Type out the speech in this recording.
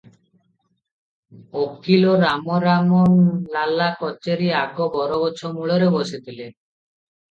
ଓକିଲ ରାମରାମ ଲାଲା କଚେରୀ ଆଗ ବରଗଛ ମୂଳରେ ବସିଥିଲେ ।